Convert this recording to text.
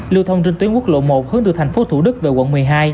lưu thông trên tuyến quốc lộ một hướng từ thành phố thủ đức về quận một mươi hai